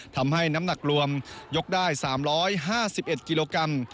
ทำให้น้ำหนักรวมยกได้๓๕๑กิโลกรัม